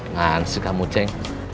ngan sih kamu ceng